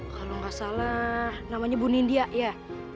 kalau nggak salah namanya bu nindya ya